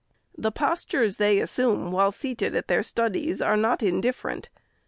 "The postures they assume, while seated at their studies, are not indifferent.